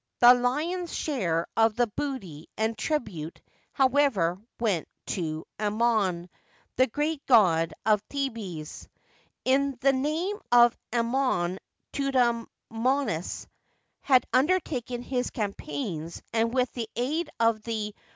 The lion's share of the booty and tribute, however, went to Amon, the great god of Thebes. In the name of Amon Thutmo sis had undertaken his campaigns, and with the aid of the * See map.